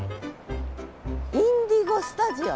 インディゴスタジオ。